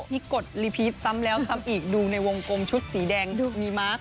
กดรีพีชซ้ำแล้วซ้ำอีกดูในวงกลมชุดสีแดงดูดีมาก